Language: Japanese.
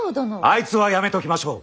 あいつはやめときましょう。